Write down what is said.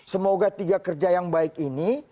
semoga tiga kerja yang baik ini